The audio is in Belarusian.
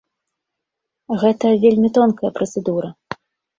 Гэта вельмі тонкая працэдура.